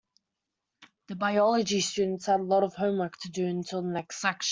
The biology students had lots of homework to do until the next lecture.